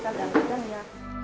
tapi kadang kadang ya